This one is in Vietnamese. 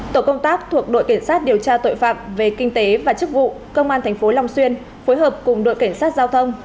tổ công tác thuộc đội kiểm soát điều tra tội phạm về kinh tế và chức vụ công an thành phố long xuyên phối hợp cùng đội kiểm soát giao thông